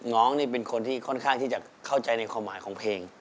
น้องนี่เป็นคนที่ค่อนข้างที่จะเข้าใจในความหมายของเพลง